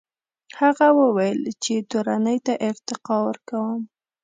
هغه وویل چې تورنۍ ته ارتقا کوم.